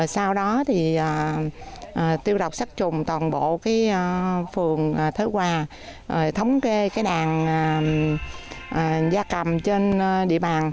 sau đó tiêu độc sát trùng toàn bộ phường thứ hòa thống kê đàn gia cầm trên địa bàn